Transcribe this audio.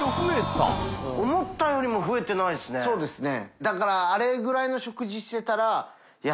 そうですね。